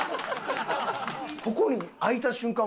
ここに開いた瞬間